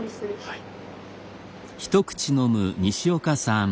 はい。